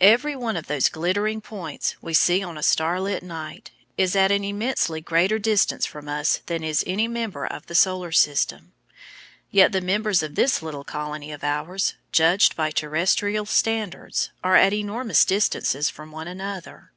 Every one of those glittering points we see on a starlit night is at an immensely greater distance from us than is any member of the Solar System. Yet the members of this little colony of ours, judged by terrestrial standards, are at enormous distances from one another.